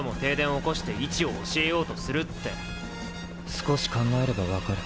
少し考えれば分かる。